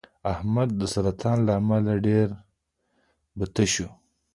احمد د سرطان له امله ډېر بته شو.